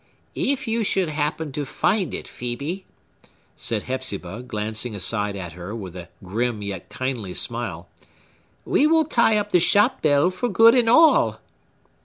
"If you should happen to find it, Phœbe," said Hepzibah, glancing aside at her with a grim yet kindly smile, "we will tie up the shop bell for good and all!"